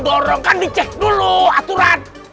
dorong kan dicek dulu aturan